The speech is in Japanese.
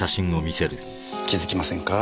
気付きませんか？